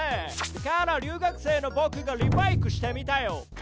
だから留学生の僕がリメイクしてみたよ！